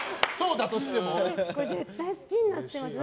絶対好きになってますね。